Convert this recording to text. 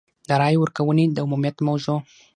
د رایې ورکونې د عمومیت موضوع.